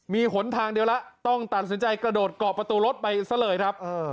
มีหนทางเดียวแล้วต้องตัดสินใจกระโดดเกาะประตูรถไปซะเลยครับ